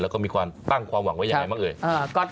แล้วก็มีการตั้งความหวังไว้ยังไงมากเลย